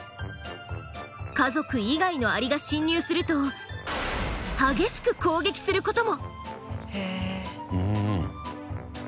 家族以外のアリが侵入すると激しく攻撃することも。